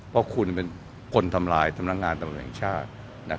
เพราะคุณเป็นคนทำลายทำงานตำแหน่งชาติ